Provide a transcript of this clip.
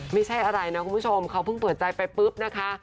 ไม่ใช่อะไรนะคุณผู้ชมเขาเพิ่งเปิดใจไปปุ๊บนะคะ